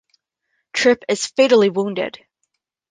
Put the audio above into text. Trip is fatally wounded.